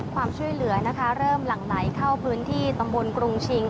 ความช่วยเหลือนะคะเริ่มหลั่งไหลเข้าพื้นที่ตำบลกรุงชิง